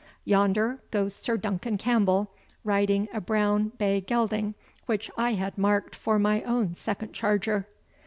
Yonder goes Sir Duncan Campbell, riding a brown bay gelding, which I had marked for my own second charger."